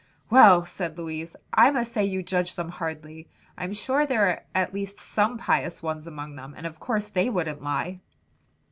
"Well," said Louise, "I must say you judge them hardly. I'm sure there are at least some pious ones among them and of course they wouldn't lie."